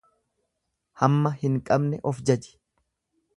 Hamma hin qabne of jaji.